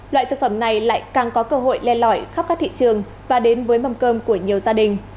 loại thực phẩm này lại càng có cơ hội len lỏi khắp các thị trường và đến với mâm cơm của nhiều gia đình